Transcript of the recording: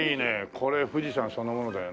これ富士山そのものだよな。